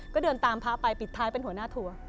ก็เดินตามพระไปปิดท้ายเป็นหัวหน้าทัวร์